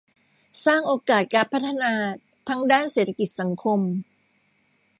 สร้างโอกาสการพัฒนาทั้งด้านเศรษฐกิจสังคม